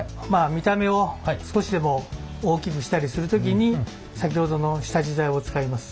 見た目を少しでも大きくしたりする時に先ほどの下地材を使います。